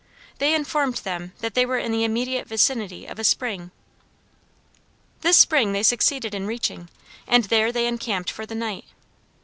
They informed them that they were in the immediate vicinity of a spring." This spring they succeeded in reaching, and there they encamped for the night.